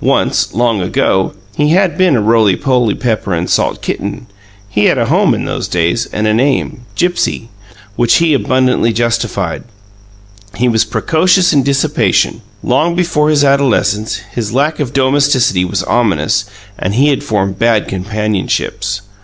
Once, long ago, he had been a roly poly pepper and salt kitten; he had a home in those days, and a name, "Gipsy," which he abundantly justified. He was precocious in dissipation. Long before his adolescence, his lack of domesticity was ominous, and he had formed bad companionships.